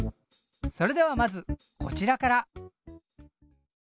それではまずこちらから。